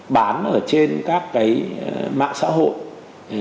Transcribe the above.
bán ở trên các cái mạng xã hội